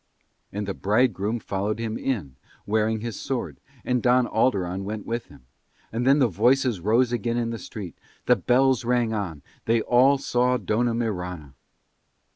And the bridegroom followed him in, wearing his sword, and Don Alderon went with him. And then the voices rose again in the street: the bells rang on: they all saw Dona Mirana.